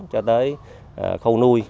cho tới khâu nuôi